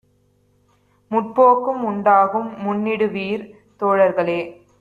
முற்போக்கும் உண்டாகும் முன்னிடுவீர் தோழர்களே!